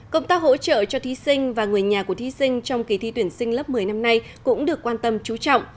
công tác hỗ trợ cho thí sinh và người nhà của thí sinh trong kỳ thi tuyển sinh lớp một mươi năm nay cũng được quan tâm trú trọng